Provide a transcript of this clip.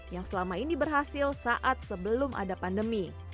yang selama ini berhasil saat sebelum ada pandemi